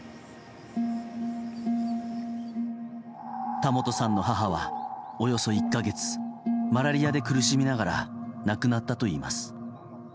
田本さんの母はおよそ１か月マラリアで苦しみながら亡くなったといいます。